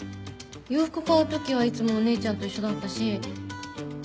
洋服買う時はいつもお姉ちゃんと一緒だったし。